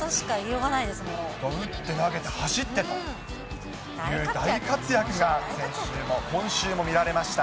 打って投げて走ってという大活躍が先週も、今週も見られました。